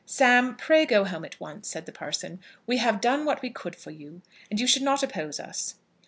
"Sam, pray go home at once," said the parson. "We have done what we could for you, and you should not oppose us."